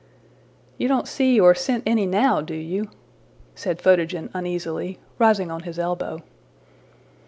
'' ``You don't see or scent any now, do you?'' said Photogen uneasily, rising on his elbow.